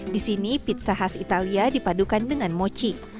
di sini pizza khas italia dipadukan dengan mochi